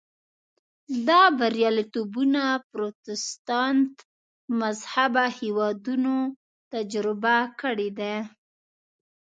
دا بریالیتوبونه پروتستانت مذهبه هېوادونو تجربه کړي دي.